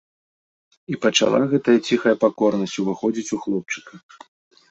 І пачала гэтая ціхая пакорнасць уваходзіць у хлопчыка.